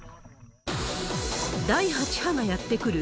第８波がやって来る？